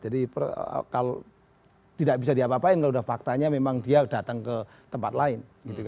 jadi kalau tidak bisa diapa apain kalau udah faktanya memang dia datang ke tempat lain